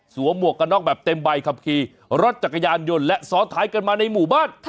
หมวกกันน็อกแบบเต็มใบขับขี่รถจักรยานยนต์และซ้อนท้ายกันมาในหมู่บ้าน